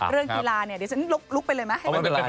เรื่องกีฬานะครับเรื่องกีฬาเนี่ย